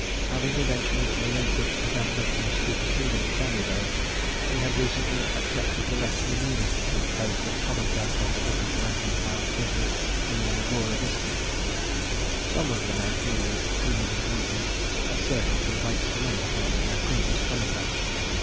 Having eventually relinquished his ambition of superseding Sami Bey, he had recently accepted the less remunerative post of commandant of the British rank and file prisoners in the Angora district. Some of the men whom we succeeded in meeting had certain complaints to make against their previous commandant.